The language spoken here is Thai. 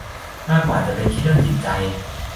มากกว่าจะเป็นแค่เรื่องจิตใจ